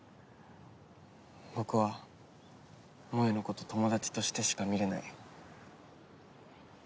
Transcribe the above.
僕は萌のこと友達としてしか見れない。